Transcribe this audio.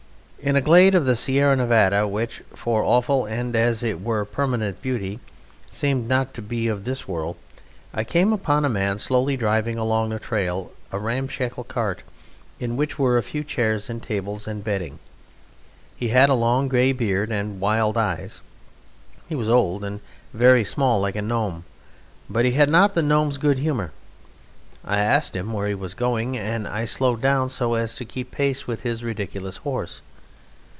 In a glade of the Sierra Nevada, which, for awful and, as it were, permanent beauty seemed not to be of this world, I came upon a man slowly driving along the trail a ramshackle cart, in which were a few chairs and tables and bedding. He had a long grey beard and wild eyes; he was old, and very small like a gnome, but he had not the gnome's good humour. I asked him where he was going, and I slowed down, so as to keep pace with his ridiculous horse.